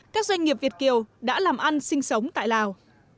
các doanh nghiệp việt kiều đã làm ăn sinh sống tại lào